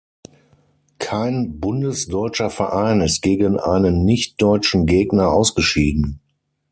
Kein bundesdeutscher Verein ist gegen einen nicht-deutschen Gegner ausgeschieden.